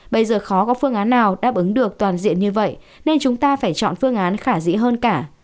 bây giờ khó có phương án nào đáp ứng được toàn diện như vậy nên chúng ta phải chọn phương án khả dĩ hơn cả